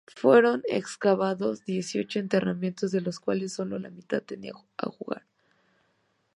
Fueron excavados dieciocho enterramientos de los cuales sólo la mitad tenían ajuar.